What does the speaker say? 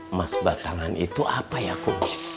emas batangan itu apa ya aku